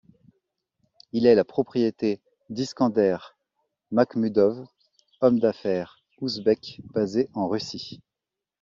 Il est la propriété d'Iskander Makhmudov, homme d’affaires ouzbek basé en Russie.